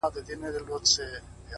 ن و! قاف و! يې و! بې ښايسته تورې!